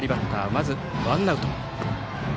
まずワンアウト。